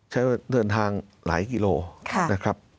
ใช้เวลาเดินทางหลายกิโลนะครับ